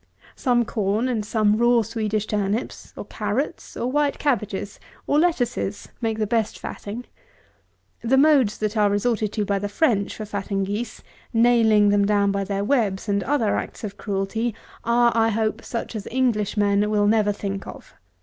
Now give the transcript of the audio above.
Some corn and some raw Swedish turnips, or carrots, or white cabbages, or lettuces, make the best fatting. The modes that are resorted to by the French for fatting geese, nailing them down by their webs, and other acts of cruelty, are, I hope, such as Englishmen will never think of.